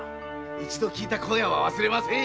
一度聞いた声は忘れませんよ。